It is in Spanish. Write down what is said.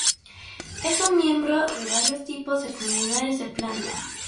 Es un miembro de varios tipos de comunidades de plantas.